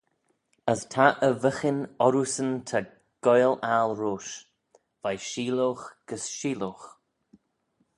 As ta e vyghin orroosyn ta goaill aggle roish, veih sheeloghe gys sheeloghe.